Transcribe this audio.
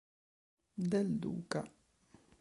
Del Duca